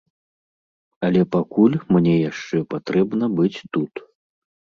Але пакуль мне яшчэ патрэбна быць тут.